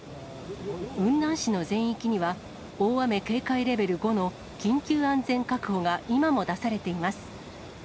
雲南市の全域には、大雨警戒レベル５の緊急安全確保が今も出されています。